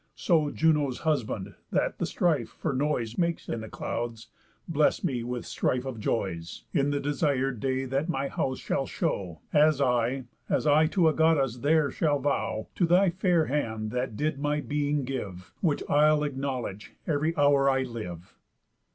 So Juno's husband, that the strife for noise Makes in the clouds, bless me with strife of joys, In the desir'd day that my house shall show, As I, as I to a Goddess there shall vow, To thy fair hand that did my being give, Which I'll acknowledge ev'ry hour I live."